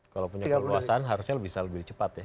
kalau punya keluasan harusnya bisa lebih cepat ya